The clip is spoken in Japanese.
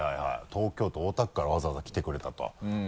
東京都大田区からわざわざ来てくれたと。